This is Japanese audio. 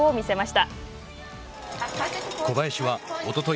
小林は、おととい